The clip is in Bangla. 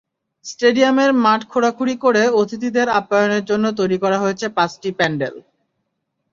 স্টেডিয়ামের মাঠ খোঁড়াখুঁড়ি করে অতিথিদের আপ্যায়নের জন্য তৈরি করা হয়েছে পাঁচটি প্যান্ডেল।